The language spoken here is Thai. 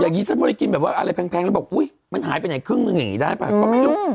อย่างนี้ฉันไม่ได้กินแบบว่าอะไรแพงแล้วบอกอุ๊ยมันหายไปไหนครึ่งหนึ่งอย่างนี้ได้ป่ะก็ไม่รู้